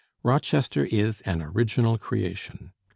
Rochester is an original creation.